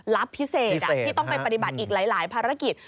พิเศษที่ต้องไปปฏิบัติอีกหลายภารกิจ